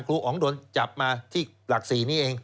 อ๋องโดนจับมาที่หลัก๔นี้เอง